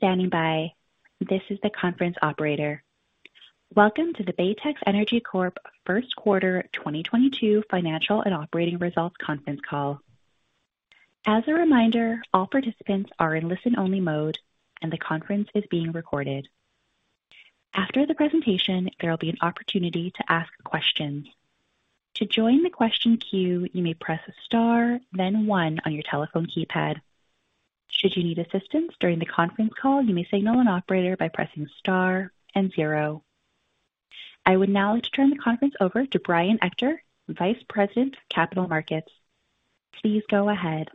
Thank you for standing by. This is the conference operator. Welcome to the Baytex Energy Corp. First Quarter 2022 Financial and Operating Results Conference Call. As a reminder, all participants are in listen-only mode, and the conference is being recorded. After the presentation, there will be an opportunity to ask questions. To join the question queue, you may press star then one on your telephone keypad. Should you need assistance during the conference call, you may signal an operator by pressing star and zero. I would now like to turn the conference over to Brian Ector, Vice President, Capital Markets. Please go ahead.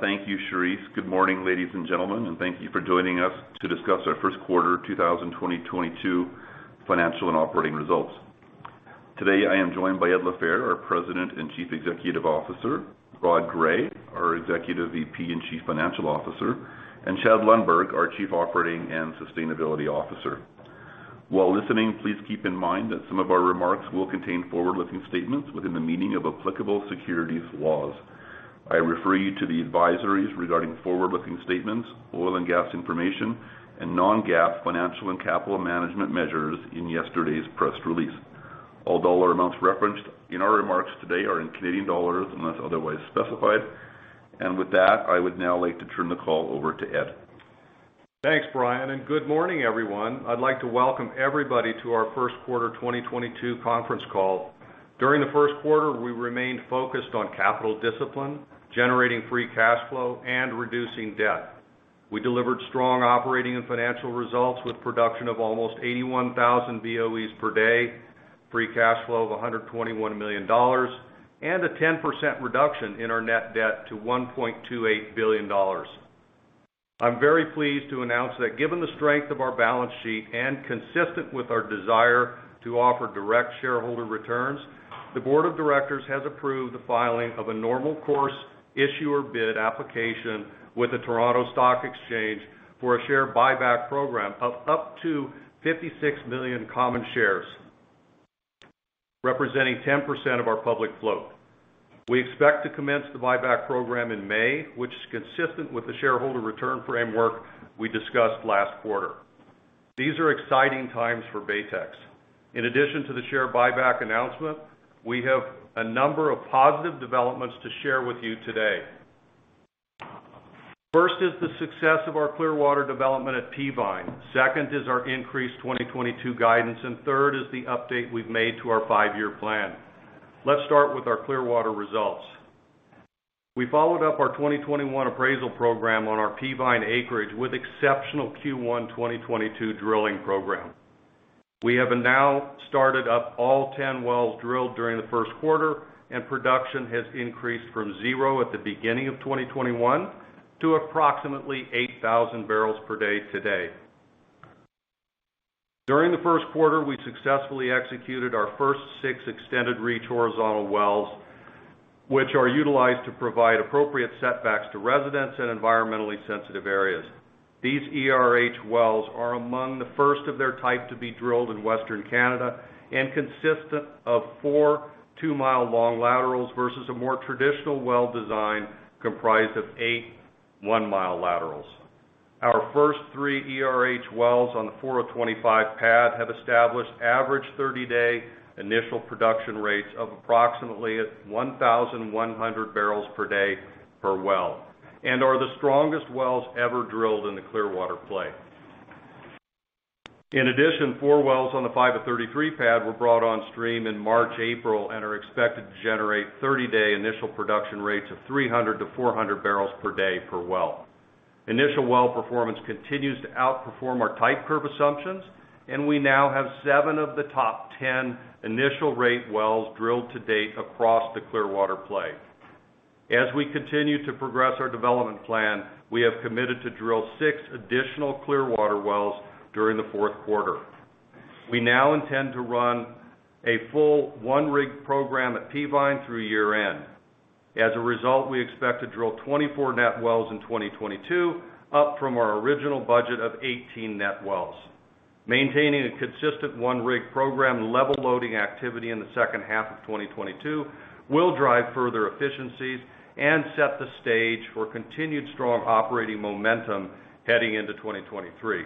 Thank you, Charisse. Good morning, ladies and gentlemen, and thank you for joining us to discuss our first quarter 2022 financial and operating results. Today, I am joined by Ed LaFehr, our President and Chief Executive Officer, Rod Gray, our Executive VP and Chief Financial Officer, and Chad Lundberg, our Chief Operating and Sustainability Officer. While listening, please keep in mind that some of our remarks will contain forward-looking statements within the meaning of applicable securities laws. I refer you to the advisories regarding forward-looking statements, oil and gas information, and non-GAAP financial and capital management measures in yesterday's press release. All dollar amounts referenced in our remarks today are in Canadian dollars unless otherwise specified. With that, I would now like to turn the call over to Ed. Thanks, Brian, and good morning, everyone. I'd like to welcome everybody to our first quarter 2022 conference call. During the first quarter, we remained focused on capital discipline, generating free cash flow, and reducing debt. We delivered strong operating and financial results with production of almost 81,000 BOEs per day, free cash flow of $121 million, and a 10% reduction in our net debt to $1.28 billion. I'm very pleased to announce that given the strength of our balance sheet and consistent with our desire to offer direct shareholder returns, the board of directors has approved the filing of a normal course issuer bid application with the Toronto Stock Exchange for a share buyback program of up to 56 million common shares, representing 10% of our public float. We expect to commence the buyback program in May, which is consistent with the shareholder return framework we discussed last quarter. These are exciting times for Baytex. In addition to the share buyback announcement, we have a number of positive developments to share with you today. First is the success of our Clearwater development at Peavine. Second is our increased 2022 guidance, and third is the update we've made to our five-year plan. Let's start with our Clearwater results. We followed up our 2021 appraisal program on our Peavine acreage with exceptional Q1 2022 drilling program. We have now started up all 10 wells drilled during the first quarter, and production has increased from zero at the beginning of 2021 to approximately 8,000 bbl per day today. During the first quarter, we successfully executed our first six extended reach horizontal wells, which are utilized to provide appropriate setbacks to residents in environmentally sensitive areas. These ERH wells are among the first of their type to be drilled in Western Canada and consist of 4 2-mile long laterals versus a more traditional well design comprised of 8 1-mile laterals. Our first three ERH wells on the 425 pad have established average 30-day initial production rates of approximately 1,100 bbl per day per well and are the strongest wells ever drilled in the Clearwater Play. In addition, four wells on the 533 pad were brought on stream in March, April, and are expected to generate 30-day initial production rates of 300-400 bbl per day per well. Initial well performance continues to outperform our type curve assumptions, and we now have seven of the top 10 initial rate wells drilled to date across the Clearwater Play. As we continue to progress our development plan, we have committed to drill six additional Clearwater wells during the fourth quarter. We now intend to run a full one-rig program at Peavine through year-end. As a result, we expect to drill 24 net wells in 2022, up from our original budget of 18 net wells. Maintaining a consistent one-rig program, level loading activity in the second half of 2022 will drive further efficiencies and set the stage for continued strong operating momentum heading into 2023.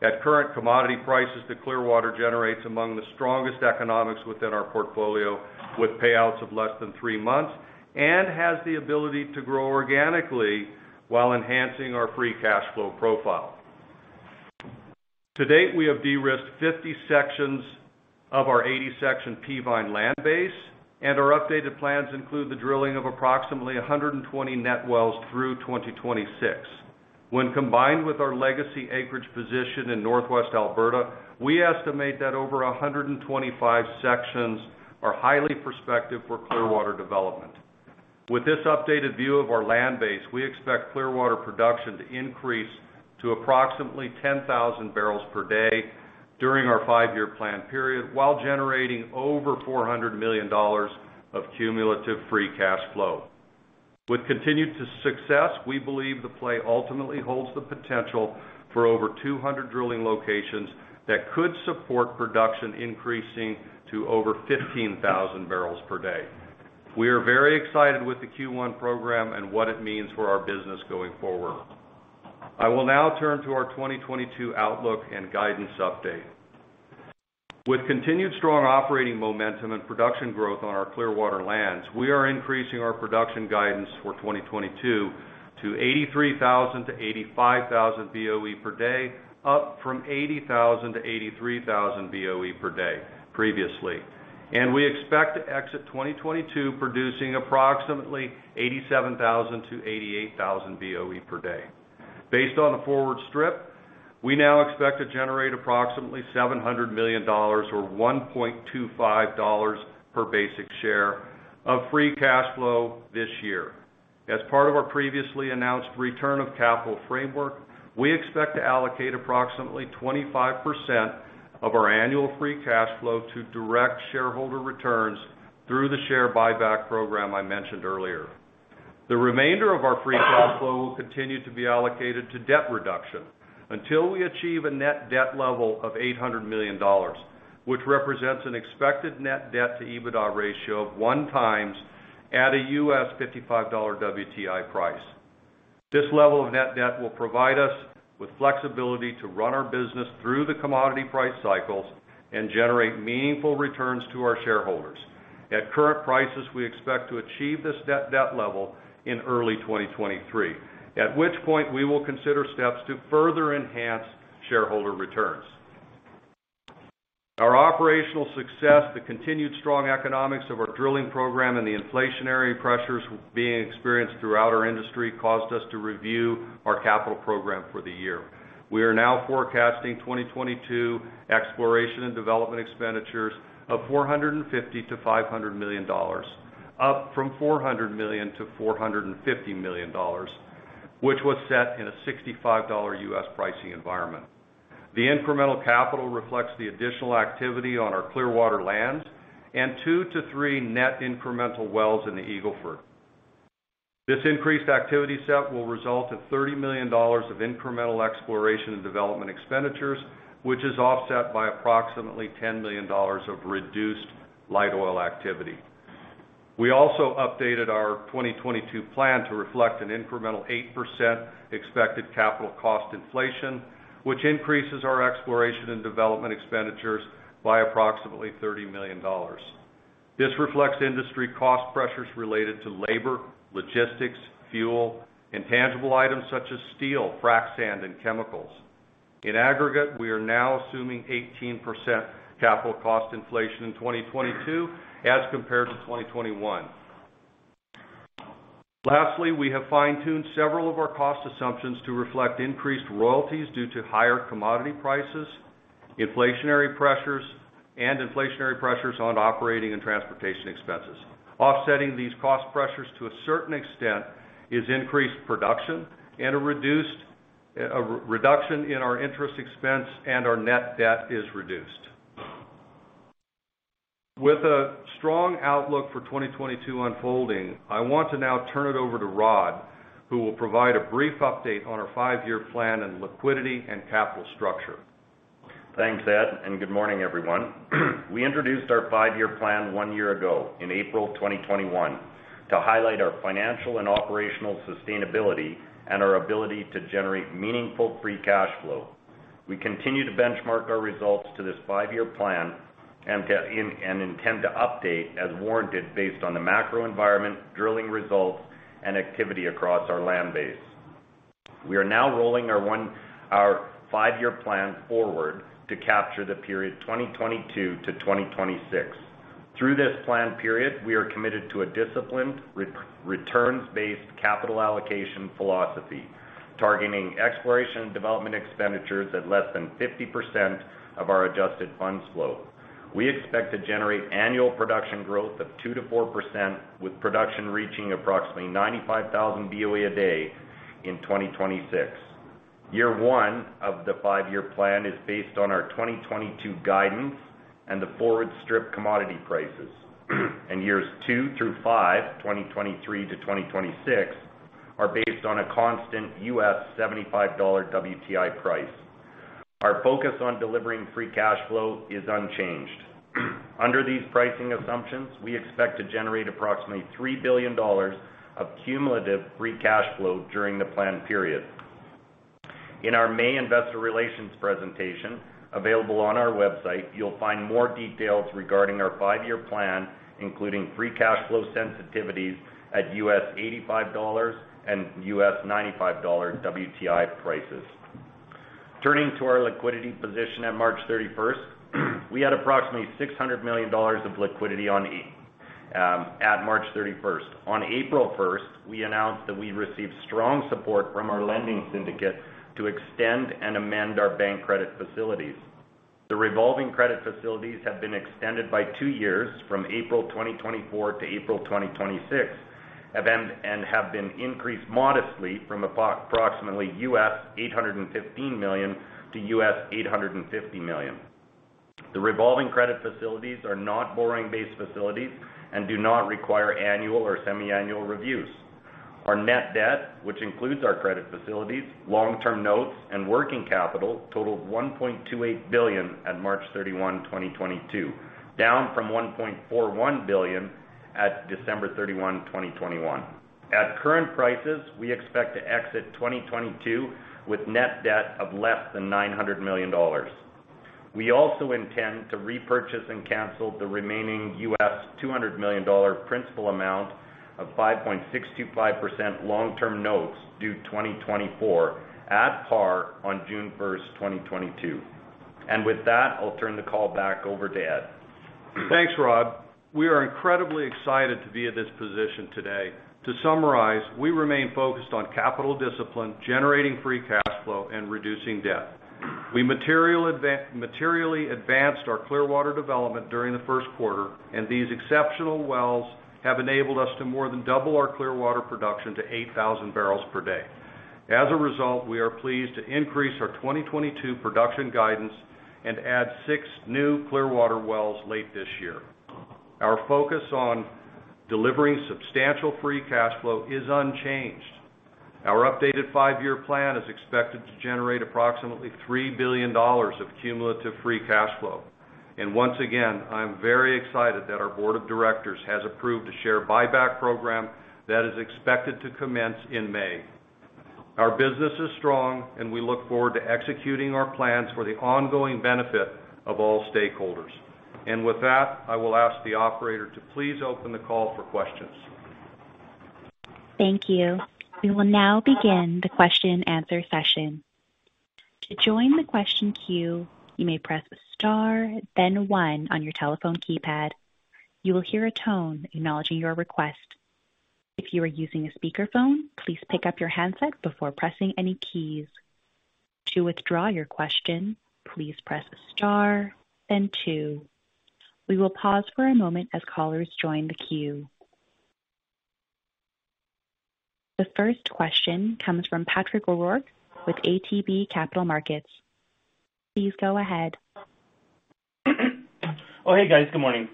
At current commodity prices, the Clearwater generates among the strongest economics within our portfolio with payouts of less than three months and has the ability to grow organically while enhancing our free cash flow profile. To date, we have de-risked 50 sections of our 80-section Peavine land base, and our updated plans include the drilling of approximately 120 net wells through 2026. When combined with our legacy acreage position in Northwest Alberta, we estimate that over 125 sections are highly prospective for Clearwater development. With this updated view of our land base, we expect Clearwater production to increase to approximately 10,000 bbl per day during our five-year plan period while generating over 400 million dollars of cumulative free cash flow. With continued success, we believe the play ultimately holds the potential for over 200 drilling locations that could support production increasing to over 15,000 bbl per day. We are very excited with the Q1 program and what it means for our business going forward. I will now turn to our 2022 outlook and guidance update. With continued strong operating momentum and production growth on our Clearwater lands, we are increasing our production guidance for 2022 to 83,000 BOE to 85,000 BOE per day, up from 80,000 BOE to 83,000 BOE per day previously. We expect to exit 2022 producing approximately 87,000 BOE to 88,000 BOE per day. Based on the forward strip, we now expect to generate approximately 700 million dollars or 1.25 dollars per basic share of free cash flow this year. As part of our previously announced return of capital framework, we expect to allocate approximately 25% of our annual free cash flow to direct shareholder returns through the share buyback program I mentioned earlier. The remainder of our free cash flow will continue to be allocated to debt reduction until we achieve a net debt level of 800 million dollars, which represents an expected net debt to EBITDA ratio of one times at a $55 WTI price. This level of net debt will provide us with flexibility to run our business through the commodity price cycles and generate meaningful returns to our shareholders. At current prices, we expect to achieve this net debt level in early 2023, at which point we will consider steps to further enhance shareholder returns. Our operational success, the continued strong economics of our drilling program, and the inflationary pressures being experienced throughout our industry caused us to review our capital program for the year. We are now forecasting 2022 exploration and development expenditures of $450 million to $500 million, up from $400 million to $450 million, which was set in a $65 U.S. pricing environment. The incremental capital reflects the additional activity on our Clearwater lands and two to three net incremental wells in the Eagle Ford. This increased activity set will result in $30 million of incremental exploration and development expenditures, which is offset by approximately $10 million of reduced light oil activity. We also updated our 2022 plan to reflect an incremental 8% expected capital cost inflation, which increases our exploration and development expenditures by approximately 30 million dollars. This reflects industry cost pressures related to labor, logistics, fuel, and tangible items such as steel, frac sand, and chemicals. In aggregate, we are now assuming 18% capital cost inflation in 2022 as compared to 2021. Lastly, we have fine-tuned several of our cost assumptions to reflect increased royalties due to higher commodity prices, inflationary pressures on operating and transportation expenses. Offsetting these cost pressures to a certain extent is increased production and a reduction in our interest expense and our net debt is reduced. With a strong outlook for 2022 unfolding, I want to now turn it over to Rod, who will provide a brief update on our five-year plan and liquidity and capital structure. Thanks, Ed, and good morning, everyone. We introduced our five-year plan one year ago in April 2021 to highlight our financial and operational sustainability and our ability to generate meaningful free cash flow. We continue to benchmark our results to this five-year plan and intend to update as warranted based on the macro environment, drilling results, and activity across our land base. We are now rolling our five-year plan forward to capture the period 2022 to 2026. Through this plan period, we are committed to a disciplined returns-based capital allocation philosophy, targeting exploration and development expenditures at less than 50% of our adjusted funds flow. We expect to generate annual production growth of 2% to 4%, with production reaching approximately 95,000 BOE a day in 2026. Year 1 of the five-year plan is based on our 2022 guidance and the forward strip commodity prices. Years 2 through 5, 2023 to 2026, are based on a constant $75 WTI price. Our focus on delivering free cash flow is unchanged. Under these pricing assumptions, we expect to generate approximately 3 billion dollars of cumulative free cash flow during the plan period. In our May investor relations presentation available on our website, you'll find more details regarding our five-year plan, including free cash flow sensitivities at $85 and $95 WTI prices. Turning to our liquidity position at March 31st, we had approximately 600 million dollars of liquidity at March 31st. On April 1st, we announced that we received strong support from our lending syndicate to extend and amend our bank credit facilities. The revolving credit facilities have been extended by two years from April 2024 to April 2026, and have been increased modestly from approximately $815 million to $850 million. The revolving credit facilities are not borrowing-based facilities and do not require annual or semiannual reviews. Our net debt, which includes our credit facilities, long-term notes and working capital, totaled $1.28 billion at March 31, 2022, down from $1.41 billion at December 31, 2021. At current prices, we expect to exit 2022 with net debt of less than $900 million. We also intend to repurchase and cancel the remaining $200 million principal amount of 5.625% long-term notes due 2024 at par on June 1st, 2022. With that, I'll turn the call back over to Ed. Thanks, Rod. We are incredibly excited to be at this position today. To summarize, we remain focused on capital discipline, generating free cash flow and reducing debt. We materially advanced our Clearwater development during the first quarter, and these exceptional wells have enabled us to more than double our Clearwater production to 8,000 bbl per day. As a result, we are pleased to increase our 2022 production guidance and add six new Clearwater wells late this year. Our focus on delivering substantial free cash flow is unchanged. Our updated five-year plan is expected to generate approximately 3 billion dollars of cumulative free cash flow. Once again, I'm very excited that our board of directors has approved a share buyback program that is expected to commence in May. Our business is strong, and we look forward to executing our plans for the ongoing benefit of all stakeholders. With that, I will ask the operator to please open the call for questions. Thank you. We will now begin the question-and-answer session. To join the question queue, you may press star then one on your telephone keypad. You will hear a tone acknowledging your request. If you are using a speakerphone, please pick up your handset before pressing any keys. To withdraw your question, please press star then two. We will pause for a moment as callers join the queue. The first question comes from Patrick O'Rourke with ATB Capital Markets. Please go ahead. Oh, hey, guys, good morning.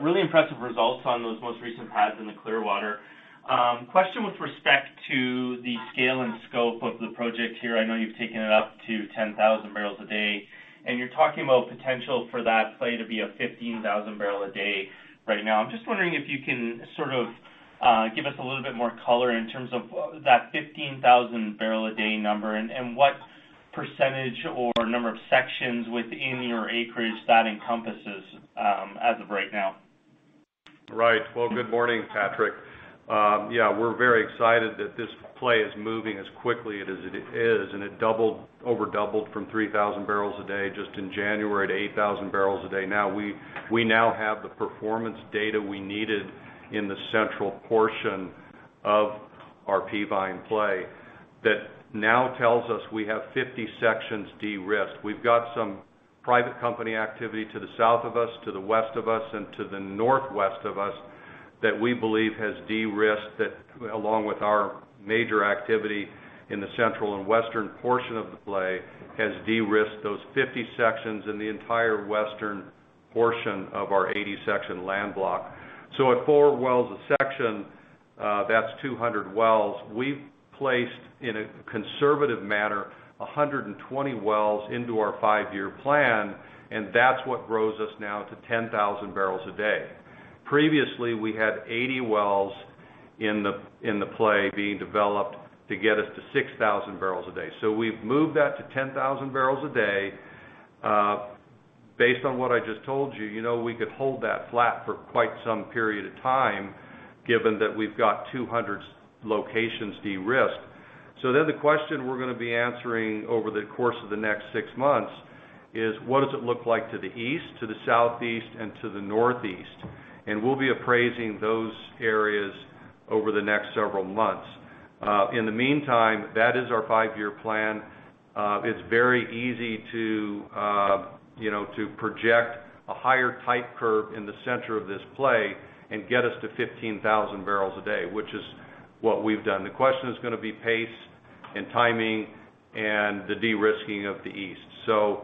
Really impressive results on those most recent pads in the Clearwater. Question with respect to the scale and scope of the project here. I know you've taken it up to 10,000 bbl a day, and you're talking about potential for that play to be a 15,000 bbl a day right now. I'm just wondering if you can sort of give us a little bit more color in terms of that 15,000 bbl a day number and what percentage or number of sections within your acreage that encompasses, as of right now. Right. Well, good morning, Patrick. Yeah, we're very excited that this play is moving as quickly as it is, and it over doubled from 3,000 bbl a day just in January to 8,000 bbl a day now. We now have the performance data we needed in the central portion of our Peavine play that now tells us we have 50 sections de-risked. We've got some private company activity to the south of us, to the west of us, and to the northwest of us that we believe has de-risked that, along with our major activity in the central and western portion of the play, has de-risked those 50 sections in the entire western portion of our 80-section land block. So at four wells a section, that's 200 wells. We've placed in a conservative manner, 120 wells into our five-year plan, and that's what grows us now to 10,000 bbl a day. Previously, we had 80 wells in the play being developed to get us to 6,000 bbl a day. We've moved that to 10,000 bbl a day. Based on what I just told you know, we could hold that flat for quite some period of time, given that we've got 200 locations de-risked. The question we're gonna be answering over the course of the next six months is, what does it look like to the east, to the southeast, and to the northeast? We'll be appraising those areas over the next several months. In the meantime, that is our five-year plan. It's very easy to, you know, to project a higher type curve in the center of this play and get us to 15,000 bbl a day, which is what we've done. The question is gonna be pace and timing and the de-risking of the east. You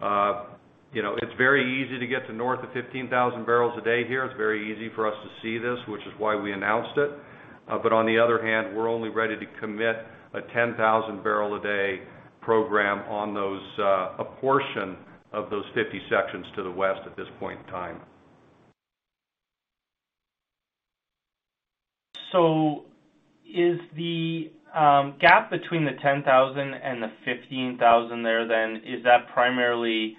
know, it's very easy to get to north of 15,000 bbl a day here. It's very easy for us to see this, which is why we announced it. On the other hand, we're only ready to commit a 10,000 bbl a day program on those, a portion of those 50 sections to the west at this point in time. Is the gap between the 10,000 bbl and the 15,000 bbl there then, is that primarily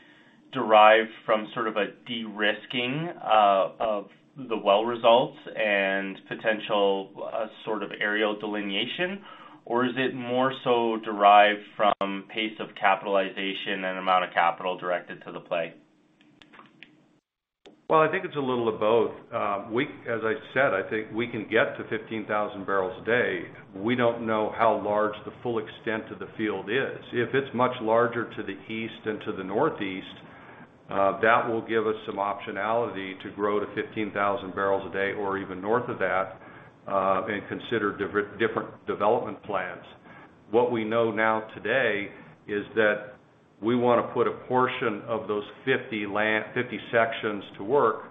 derived from sort of a de-risking of the well results and potential sort of areal delineation, or is it more so derived from pace of capitalization and amount of capital directed to the play? Well, I think it's a little of both. As I said, I think we can get to 15,000 bbl a day. We don't know how large the full extent of the field is. If it's much larger to the east and to the northeast, that will give us some optionality to grow to 15,000 bbl a day or even north of that, and consider different development plans. What we know now today is that we wanna put a portion of those 50 sections to work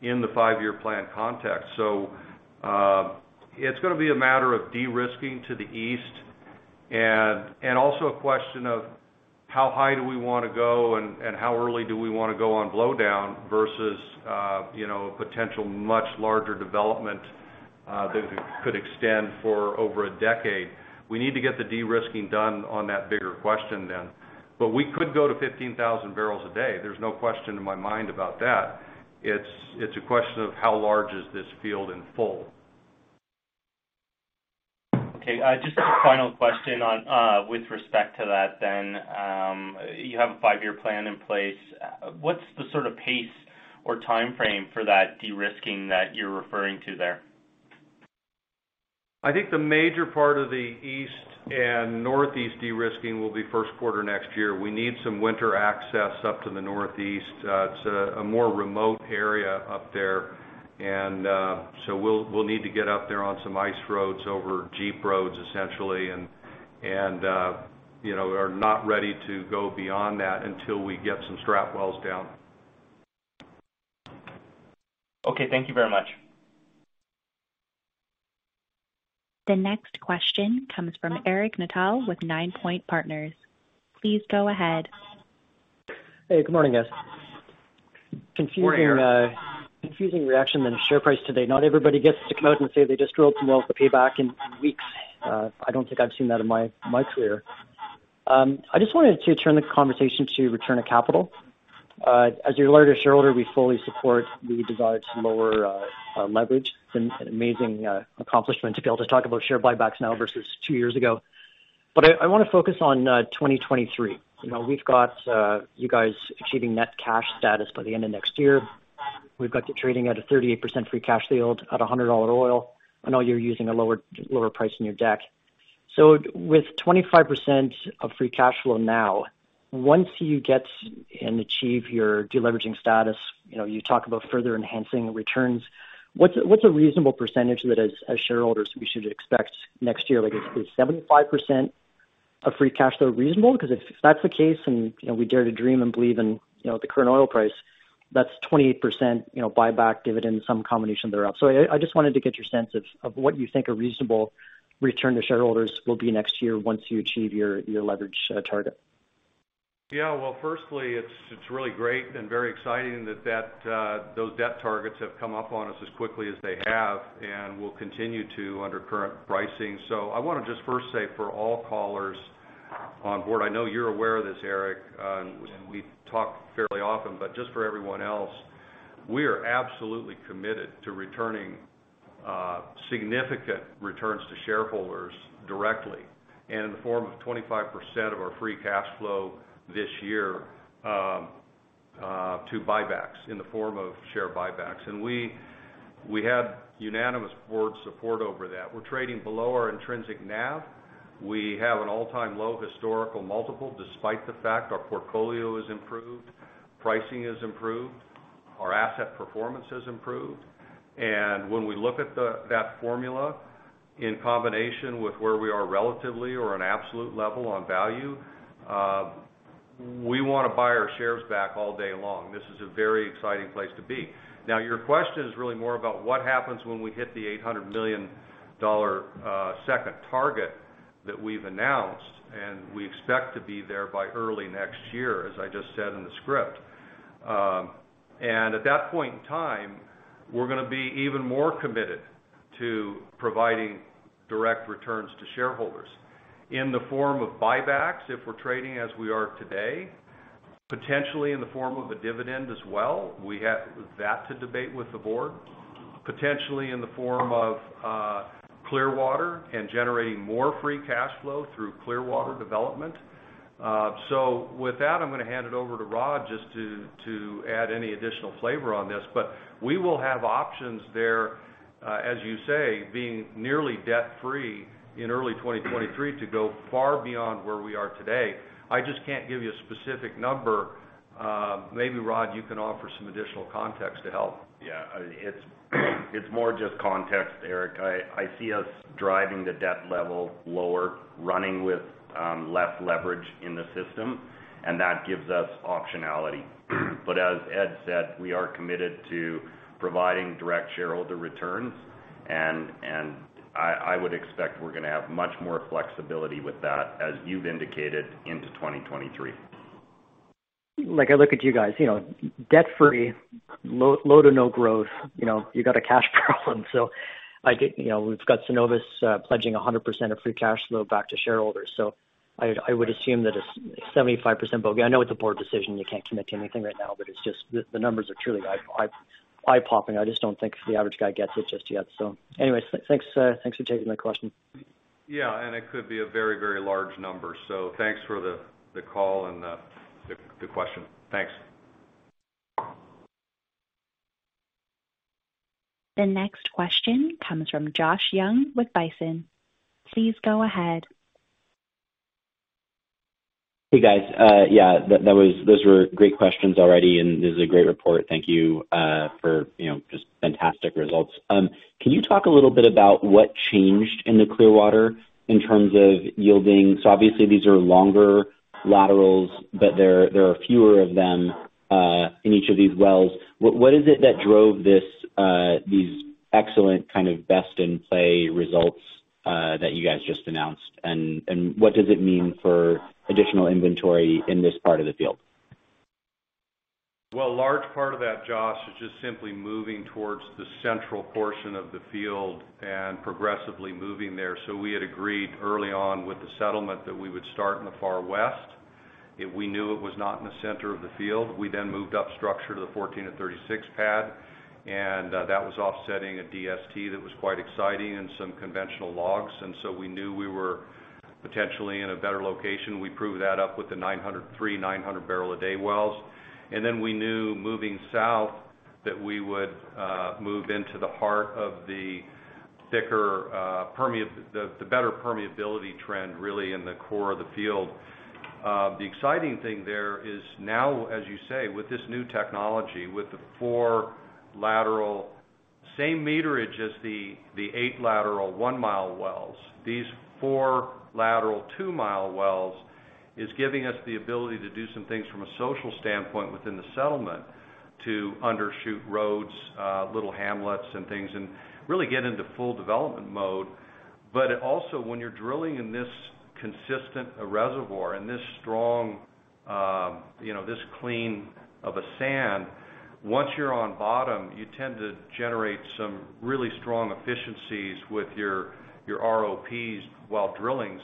in the five-year plan context. It's gonna be a matter of de-risking to the east and also a question of how high do we wanna go and how early do we wanna go on blowdown versus, you know, potential much larger development that could extend for over a decade. We need to get the de-risking done on that bigger question then. We could go to 15,000 bbl a day. There's no question in my mind about that. It's a question of how large is this field in full? Okay. Just a final question on with respect to that then. You have a five-year plan in place. What's the sort of pace or timeframe for that de-risking that you're referring to there? I think the major part of the east and northeast de-risking will be first quarter next year. We need some winter access up to the northeast. It's a more remote area up there and so we'll need to get up there on some ice roads over jeep roads, essentially, and you know we're not ready to go beyond that until we get some strat wells down. Okay, thank you very much. The next question comes from Eric Nuttall with Ninepoint Partners. Please go ahead. Hey, good morning, guys. Confusing reaction in the share price today. Not everybody gets to come out and say they just drilled some wells to pay back in weeks. I don't think I've seen that in my career. I just wanted to turn the conversation to return of capital. As your largest shareholder, we fully support the desire to lower leverage. It's an amazing accomplishment to be able to talk about share buybacks now versus two years ago. I wanna focus on 2023. You know, we've got you guys achieving net cash status by the end of next year. We've got you trading at a 38% free cash yield at $100 oil. I know you're using a lower price in your deck. With 25% of free cash flow now, once you get and achieve your de-leveraging status, you know, you talk about further enhancing returns. What's a reasonable percentage that as shareholders, we should expect next year? Like, is 75% of free cash flow reasonable? 'Cause if that's the case and, you know, we dare to dream and believe in, you know, the current oil price, that's 28%, you know, buyback dividend, some combination thereof. I just wanted to get your sense of what you think a reasonable return to shareholders will be next year once you achieve your leverage target. Yeah. Well, firstly, it's really great and very exciting that those debt targets have come up on us as quickly as they have and will continue to under current pricing. I wanna just first say for all callers on board, I know you're aware of this, Eric, we talk fairly often, but just for everyone else, we are absolutely committed to returning significant returns to shareholders directly and in the form of 25% of our free cash flow this year, to buybacks, in the form of share buybacks. We had unanimous board support over that. We're trading below our intrinsic NAV. We have an all-time low historical multiple, despite the fact our portfolio has improved, pricing has improved, our asset performance has improved. When we look at the formula in combination with where we are relatively or on absolute level on value, we wanna buy our shares back all day long. This is a very exciting place to be. Now, your question is really more about what happens when we hit the 800 million dollar second target that we've announced, and we expect to be there by early next year, as I just said in the script. At that point in time, we're gonna be even more committed to providing direct returns to shareholders in the form of buybacks, if we're trading as we are today. Potentially in the form of a dividend as well. We have that to debate with the board. Potentially in the form of Clearwater and generating more free cash flow through Clearwater development. With that, I'm gonna hand it over to Rod just to add any additional flavor on this. We will have options there, as you say, being nearly debt-free in early 2023 to go far beyond where we are today. I just can't give you a specific number. Maybe Rod, you can offer some additional context to help. Yeah. It's more just context, Eric. I see us driving the debt level lower, running with less leverage in the system, and that gives us optionality. As Ed said, we are committed to providing direct shareholder returns, and I would expect we're gonna have much more flexibility with that, as you've indicated, into 2023. Like I look at you guys, you know, debt-free, low to no growth, you know, you got a cash problem. I get. You know, we've got Cenovus pledging 100% of free cash flow back to shareholders. I would assume that a 75% bogey. I know it's a board decision, you can't commit to anything right now, but it's just the numbers are truly eye-popping. I just don't think the average guy gets it just yet. Anyways, thanks. Thanks for taking my question. Yeah. It could be a very, very large number. Thanks for the call and the question. Thanks. The next question comes from Josh Young with Bison. Please go ahead. Hey guys. Yeah, those were great questions already, and this is a great report. Thank you for, you know, just fantastic results. Can you talk a little bit about what changed in the Clearwater in terms of yielding? So obviously these are longer laterals, but there are fewer of them in each of these wells. What is it that drove these excellent kind of best-in-play results that you guys just announced? What does it mean for additional inventory in this part of the field? Well, a large part of that, Josh, is just simply moving towards the central portion of the field and progressively moving there. We had agreed early on with the settlement that we would start in the far west, and we knew it was not in the center of the field. We then moved up structure to the 14 and 36 pad, and that was offsetting a DST that was quite exciting and some conventional logs. We knew we were potentially in a better location. We proved that up with the 903 bbl, 900 bbl a day wells. We knew moving south that we would move into the heart of the thicker, the better permeability trend really in the core of the field. The exciting thing there is now, as you say, with this new technology, with the four lateral, same meterage as the eight lateral 1-mile wells. These four lateral 2-mile wells is giving us the ability to do some things from a social standpoint within the settlement to undershoot roads, little hamlets and things, and really get into full development mode. Also when you're drilling in such a consistent reservoir and such a strong, you know, such a clean sand, once you're on bottom, you tend to generate some really strong efficiencies with your ROPs while drilling.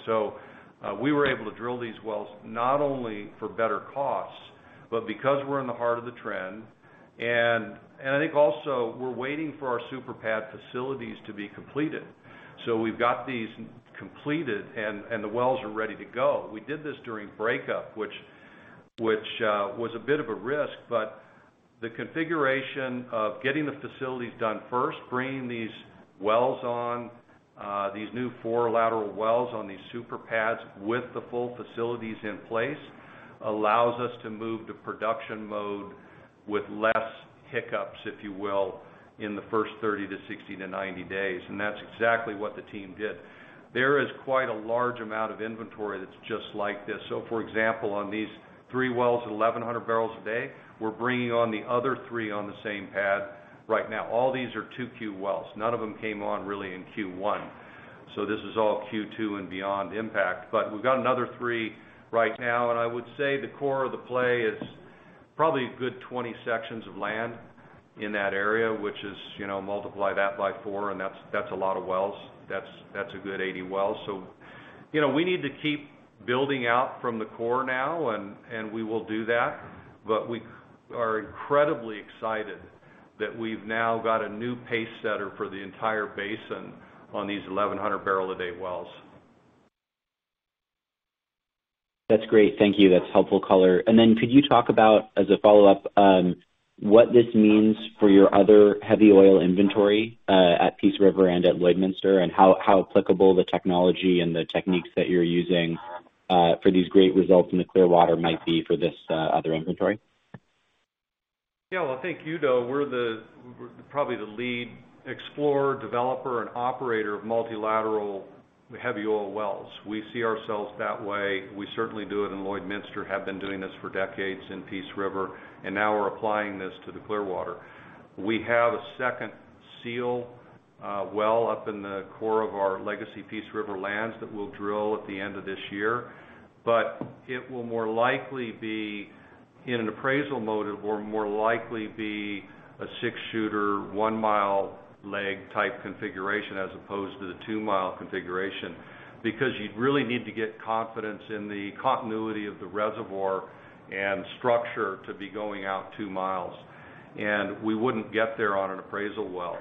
We were able to drill these wells not only for better costs, but because we're in the heart of the trend. I think also we're waiting for our super pad facilities to be completed. We've got these completed and the wells are ready to go. We did this during breakup, which was a bit of a risk, but the configuration of getting the facilities done first, bringing these wells on, these new four lateral wells on these super pads with the full facilities in place, allows us to move to production mode with less hiccups, if you will, in the first 30-60-90 days. That's exactly what the team did. There is quite a large amount of inventory that's just like this. For example, on these three wells at 1,100 bbl a day, we're bringing on the other three on the same pad right now. All these are Q2 wells. None of them came on really in Q1. This is all Q2 and beyond impact. We've got another three right now, and I would say the core of the play is probably a good 20 sections of land in that area, which is, you know, multiply that by four and that's a lot of wells. That's a good 80 wells. You know, we need to keep building out from the core now and we will do that. We are incredibly excited that we've now got a new pacesetter for the entire basin on these 1,100 bbl a day wells. That's great. Thank you. That's helpful color. Could you talk about, as a follow-up, what this means for your other heavy oil inventory at Peace River and at Lloydminster, and how applicable the technology and the techniques that you're using for these great results in the Clearwater might be for this other inventory? Yeah. Well, I think, you know, we're probably the lead explorer, developer, and operator of multilateral heavy oil wells. We see ourselves that way. We certainly do it in Lloydminster, have been doing this for decades in Peace River, and now we're applying this to the Clearwater. We have a second well up in the core of our legacy Peace River lands that we'll drill at the end of this year. It will more likely be in an appraisal mode. It will more likely be a six-shooter, 1-mile leg type configuration as opposed to the 2-mile configuration, because you'd really need to get confidence in the continuity of the reservoir and structure to be going out 2 miles, and we wouldn't get there on an appraisal well.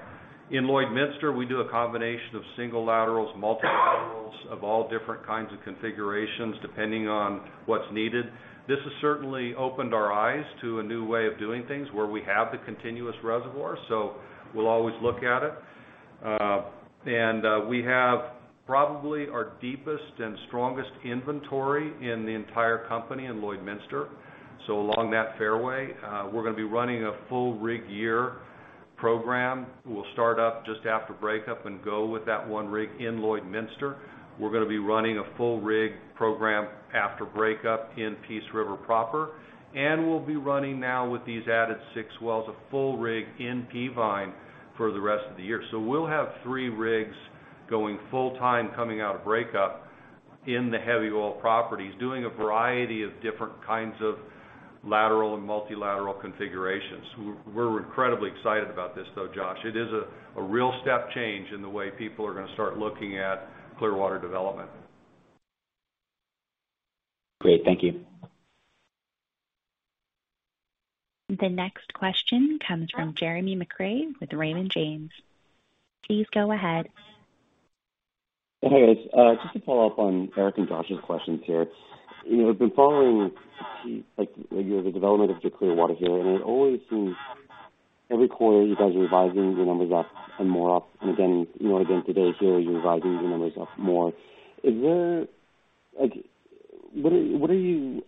In Lloydminster, we do a combination of single laterals, multiple laterals of all different kinds of configurations depending on what's needed. This has certainly opened our eyes to a new way of doing things where we have the continuous reservoir, so we'll always look at it. We have probably our deepest and strongest inventory in the entire company in Lloydminster. Along that fairway, we're gonna be running a full rig year program. We'll start up just after breakup and go with that one rig in Lloydminster. We're gonna be running a full rig program after breakup in Peace River proper. We'll be running now with these added six wells, a full rig in Peavine for the rest of the year. We'll have three rigs going full-time coming out of breakup in the heavy oil properties, doing a variety of different kinds of lateral and multilateral configurations. We're incredibly excited about this though, Josh. It is a real step change in the way people are gonna start looking at Clearwater development. Great. Thank you. The next question comes from Jeremy McCrea with Raymond James. Please go ahead. Hey, just to follow up on Eric and Josh's questions here. You know, I've been following the development of your Clearwater here, and it always seems every quarter you guys are revising your numbers up and more up. Again, you know, today here, you're revising your numbers up more. What are you?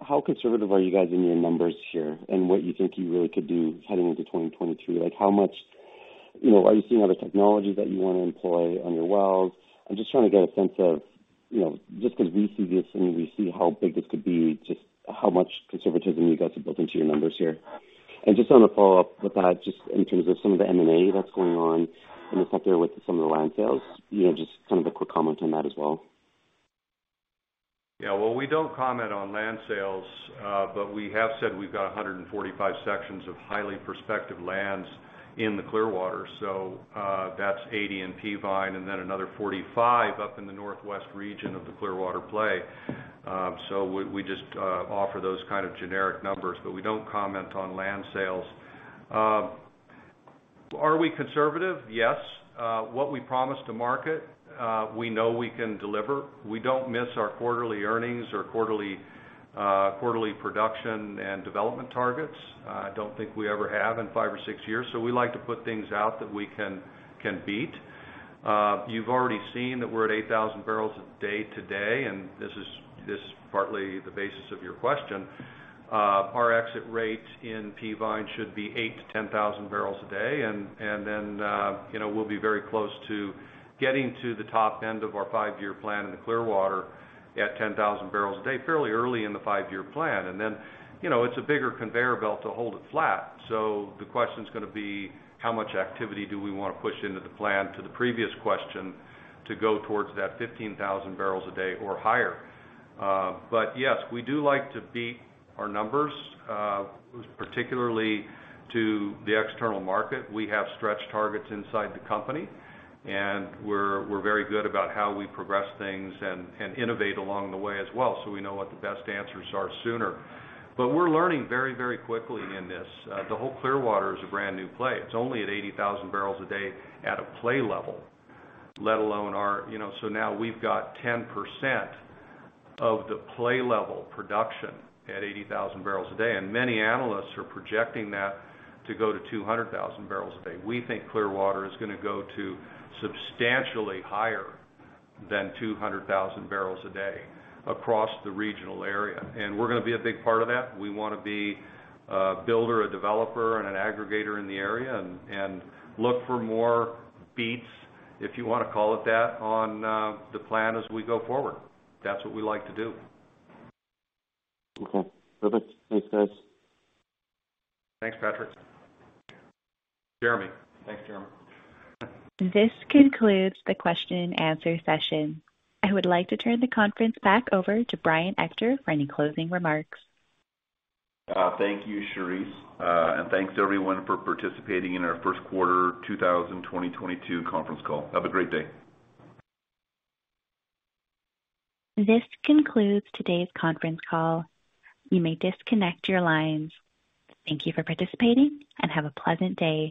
How conservative are you guys in your numbers here and what you think you really could do heading into 2023? How much, you know, are you seeing other technologies that you wanna employ on your wells? I'm just trying to get a sense of, you know, just 'cause we see this and we see how big this could be, just how much conservatism you guys have built into your numbers here. Just on a follow-up with that, just in terms of some of the M&A that's going on in the sector with some of the land sales, you know, just kind of a quick comment on that as well. Well, we don't comment on land sales, but we have said we've got 145 sections of highly prospective lands in the Clearwater. That's 80 in Peavine and then another 45 up in the northwest region of the Clearwater play. We just offer those kind of generic numbers, but we don't comment on land sales. Are we conservative? Yes. What we promise to market, we know we can deliver. We don't miss our quarterly earnings or quarterly production and development targets. I don't think we ever have in five or six years. We like to put things out that we can beat. You've already seen that we're at 8,000 bbl a day today, and this is partly the basis of your question. Our exit rate in Peavine should be 8,000 bbl to 10,000 bbl a day. Then, you know, we'll be very close to getting to the top end of our five-year plan in the Clearwater at 10,000 bbl a day fairly early in the five-year plan. You know, it's a bigger conveyor belt to hold it flat. The question's gonna be how much activity do we wanna push into the plan, to the previous question, to go towards that 15,000 bbl a day or higher. Yes, we do like to beat our numbers, particularly to the external market. We have stretch targets inside the company, and we're very good about how we progress things and innovate along the way as well, so we know what the best answers are sooner. We're learning very, very quickly in this. The whole Clearwater is a brand-new play. It's only at 80,000 bbl a day at a play level, let alone our. You know, so now we've got 10% of the play level production at 80,000 bbl a day, and many analysts are projecting that to go to 200,000 bbl a day. We think Clearwater is gonna go to substantially higher than 200,000 bbl a day across the regional area. We're gonna be a big part of that. We wanna be a builder, a developer, and an aggregator in the area and look for more beats, if you wanna call it that, on the plan as we go forward. That's what we like to do. Okay. Perfect. Thanks, guys. Thanks, Jeremy. This concludes the question and answer session. I would like to turn the conference back over to Brian Ector for any closing remarks. Thank you, Charisse. Thanks everyone for participating in our first quarter 2022 conference call. Have a great day. This concludes today's conference call. You may disconnect your lines. Thank you for participating, and have a pleasant day.